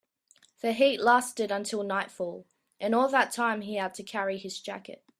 The heat lasted until nightfall, and all that time he had to carry his jacket.